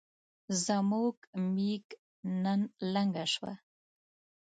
زموږ ميږ نن لنګه شوه